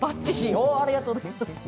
ありがとうございます。